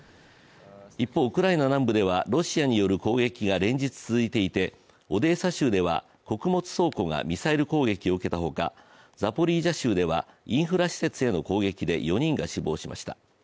一方、ウクライナ南部ではロシアによる攻撃が連日続いていて、オデーサ州では穀物倉庫がミサイル攻撃を受けたほかザポリージャ州ではインフラ施設への攻撃で４人が死亡しました。